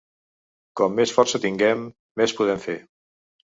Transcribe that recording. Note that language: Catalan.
Com més força tinguem, més podem fer.